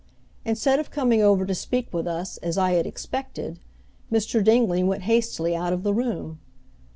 Instead of coming over to speak with us, as I had expected, Mr. Dingley went hastily out of the room.